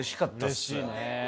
嬉しいね。